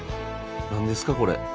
何ですかこれ。